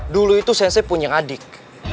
dulu itu sensei punya adik